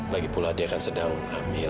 lagipula dia kan sedang hamil